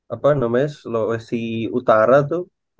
apa namanya sulawesi utara tuh